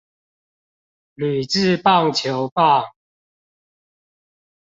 鋁製棒球棒